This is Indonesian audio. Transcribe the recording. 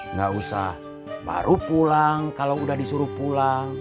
nggak usah baru pulang kalau udah disuruh pulang